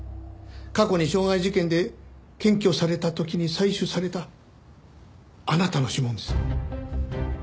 過去に傷害事件で検挙された時に採取されたあなたの指紋です。